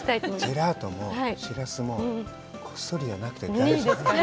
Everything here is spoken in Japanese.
ジェラートもしらすもこっそりじゃなくて、大丈夫。